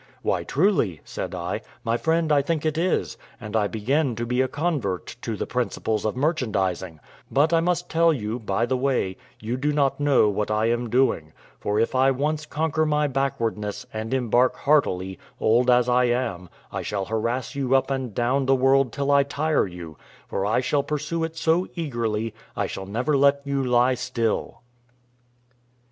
"Why, truly," said I, "my friend, I think it is, and I begin to be a convert to the principles of merchandising; but I must tell you, by the way, you do not know what I am doing; for if I once conquer my backwardness, and embark heartily, old as I am, I shall harass you up and down the world till I tire you; for I shall pursue it so eagerly, I shall never let you lie still."